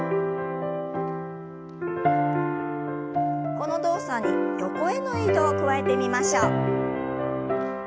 この動作に横への移動を加えてみましょう。